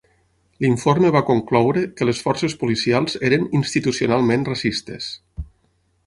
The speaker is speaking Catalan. L'informe va concloure que les forces policials eren "institucionalment racistes".